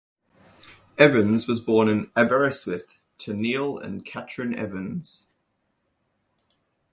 Evans was born in Aberystwyth to Neil and Catrin Evans.